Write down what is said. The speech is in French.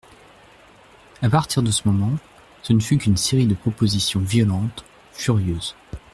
A partir de ce moment, ce ne fut qu'une série de propositions violentes, furieuses.